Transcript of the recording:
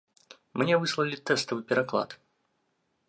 Мне выслалі тэставы пераклад.